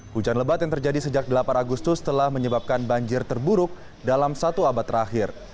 hujan lebat yang terjadi sejak delapan agustus telah menyebabkan banjir terburuk dalam satu abad terakhir